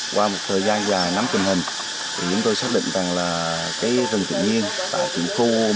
qua một thời gian dài nắm tình hình chúng tôi xác định rằng rừng tự nhiên tại tỉnh khu một nghìn một trăm chín mươi một